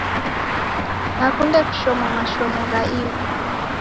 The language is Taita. Nakunde kushoma mashomo gha ighu